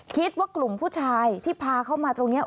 คิดว่ากลุ่มผู้ชายที่พาเขามาตรงนี้